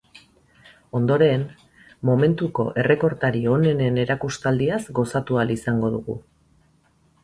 Ondoren, momentuko errekortari onenen erakustaldiaz gozatu ahal izango dugu.